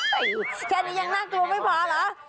เฮ้ยแค่นี้ยังน่ากลัวไม่พาระ